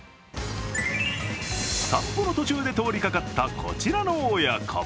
散歩の途中で通りかかったこちらの親子。